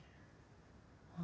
ああ。